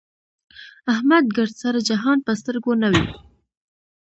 احمد ګردسره جهان په سترګو نه وي.